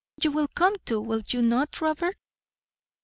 You will come too, will you not, Robert?"